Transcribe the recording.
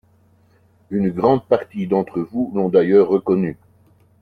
Une grande partie d’entre vous l’ont d’ailleurs reconnu.